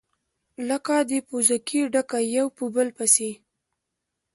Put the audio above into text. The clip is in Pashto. لكه د پوزکي ډَکي يو په بل پسي،